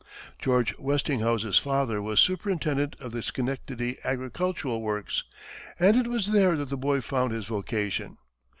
George Westinghouse's father was superintendent of the Schenectady Agricultural Works, and it was there that the boy found his vocation.